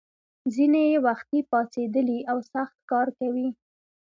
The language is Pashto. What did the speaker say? ځینې یې وختي پاڅېدلي او سخت کار کوي.